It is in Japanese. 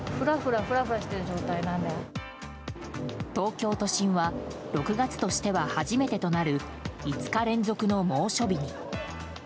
東京都心は６月としては初めてとなる５日連続の猛暑日に。